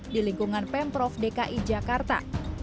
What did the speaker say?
di lingkungan pemprov dki jakarta